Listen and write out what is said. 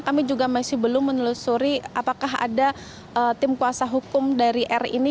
kami juga masih belum menelusuri apakah ada tim kuasa hukum dari r ini